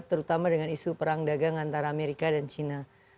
terutama dengan isu perang dagang antara amerika dan china